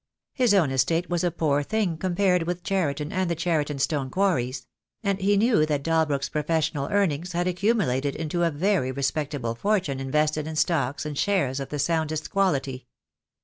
His own estate was a poor thing compared with Cheriton and the Cheriton stone quarries; and he knew that Dalbrook's professional earnings had accumulated into a very respectable fortune invested in stocks and shares of the soundest quality.